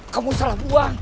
kamu salah buang